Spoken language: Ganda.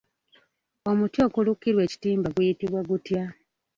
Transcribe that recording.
Omuti okulukirwa ekitimba guyitibwa gutya?